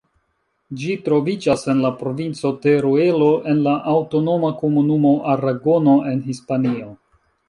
Ĝi troviĝas en la provinco Teruelo, en la aŭtonoma komunumo Aragono, en Hispanio.